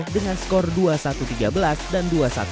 dengan skor dua satu tiga belas dan dua satu tiga belas